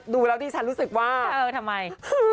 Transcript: ดูแล้วดิฉันรู้สึกว่าเออทำไม